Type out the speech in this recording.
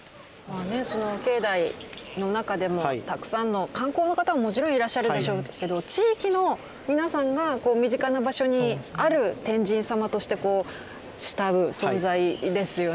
その境内の中でもたくさんの観光の方ももちろんいらっしゃるでしょうけど地域の皆さんが身近な場所にある天神さまとして慕う存在ですよね。